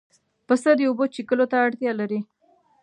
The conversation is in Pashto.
پسه د اوبو څښلو ته اړتیا لري.